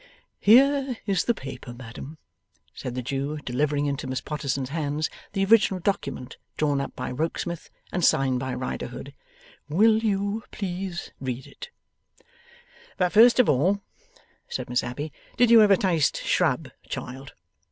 'Here is the paper, madam,' said the Jew, delivering into Miss Potterson's hands the original document drawn up by Rokesmith, and signed by Riderhood. 'Will you please to read it?' 'But first of all,' said Miss Abbey, ' did you ever taste shrub, child?